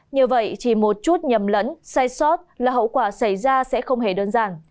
như vậy chỉ một chút nhầm lẫn sai sót là hậu quả xảy ra sẽ không hề đơn giản